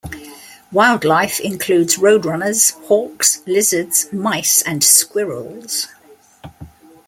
Wildlife includes roadrunners, hawks, lizards, mice and squirrels.